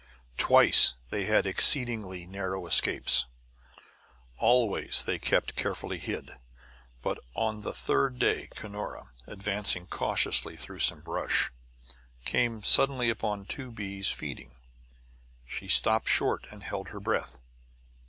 Twice they had exceedingly narrow escapes. Always they kept carefully hid, but on the third day Cunora, advancing cautiously through some brush, came suddenly upon two bees feeding. She stopped short and held her breath.